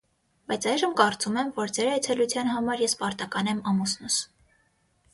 Բայց այժմ կարծում եմ, որ ձեր այցելության համար ես պարտական եմ ամուսնուս: